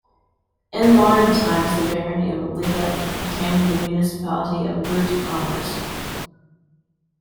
In modern times the barony of Liesvelt became the municipality of Groot-Ammers.